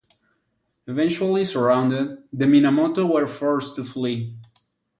Eventually surrounded, the Minamoto were forced to flee.